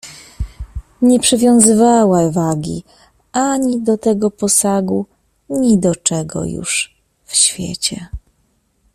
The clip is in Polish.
"Nie przywiązywała wagi ani do tego posagu, ni do niczego już w świecie."